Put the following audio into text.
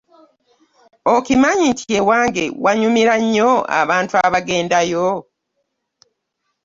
Okimanyi nti e wange wanyumira nnyo abantu abagenda yo.